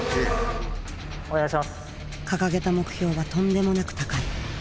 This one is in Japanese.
掲げた目標はとんでもなく高い。